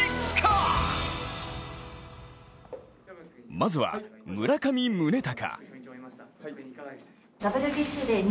まずは村上宗隆。